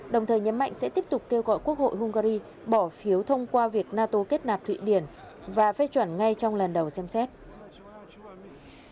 đồng thời nhấn mạnh sẽ tiếp tục kêu gọi quốc hội hungary bỏ phiếu thông qua việc nato kết nạp thụy điển và phê chuẩn ngay trong lần đầu xem xét